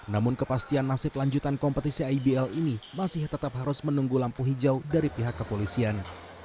namun kepastian nasib lanjutan kompetisi ibl ini masih tetap harus menunggu lampu hijau dari pihak kepolisian